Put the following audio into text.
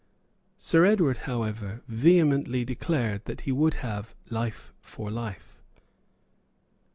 Sir Edward, however, vehemently declared that he would have life for life.